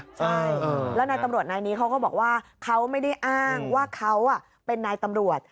ใช่แล้วนายตำรวจนายนี้เขาก็บอกว่าเขาไม่ได้อ้างว่าเขาเป็นนายตำรวจ